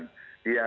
kami masih mendatang